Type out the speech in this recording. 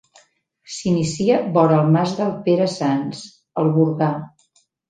S'inicia vora el Mas del Pere Sanç, al Burgar.